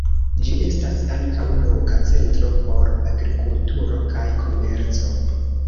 Ĝi estas ankaŭ loka centro por agrikulturo kaj komerco.